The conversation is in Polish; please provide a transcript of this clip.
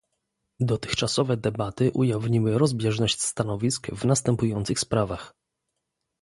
Dotychczasowe debaty ujawniły rozbieżność stanowisk w następujących sprawach